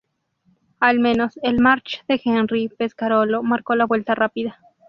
Al menos el March de Henri Pescarolo marcó la vuelta rápida.